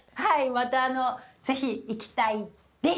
また是非行きたいです！